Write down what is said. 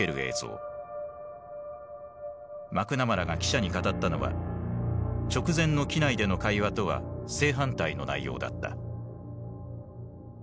マクナマラが記者に語ったのは直前の機内での会話とは正反対の内容だった。